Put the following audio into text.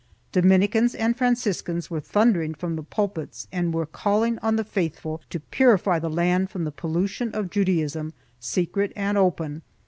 1 Dominicans and Franciscans were thundering from the pulpits and were calling on the faithful to purify the land from the pollution of Judaism, secret and open.